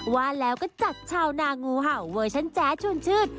ว่าแล้วก็จัดชาวนางงูเห่าเวอร์ชันแจ๊ดชวนชื่น